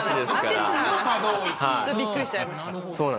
ちょっとびっくりしちゃいました。